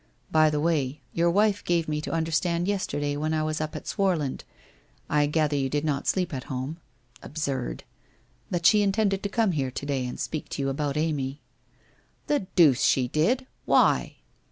By the way, your wife gave me to understand yesterday when I was up at Swarland — I gather you did not sleep at home — absurd !— that she intended to come here to day and speak to you about Amy.' 1 The deuce she did ! Why